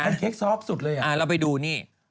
แพนเค้กซอปสุดเลยอ่ะเราไปดูนี่